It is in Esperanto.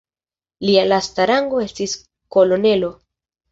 Lia lasta rango estis kolonelo.